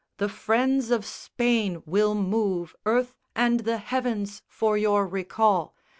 The friends of Spain will move Earth and the heavens for your recall.